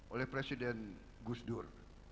oleh presiden gus dur